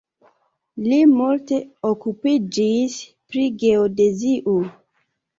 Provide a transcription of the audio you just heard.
Li multe okupiĝis pri geodezio.